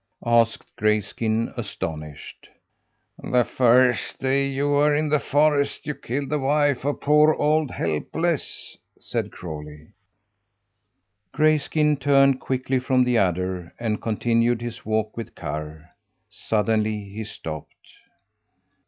asked Grayskin, astonished. "The first day you were in the forest you killed the wife of poor old Helpless," said Crawlie. Grayskin turned quickly from the adder, and continued his walk with Karr. Suddenly he stopped.